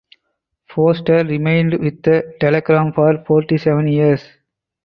Foster remained with the "Telegram" for forty seven years.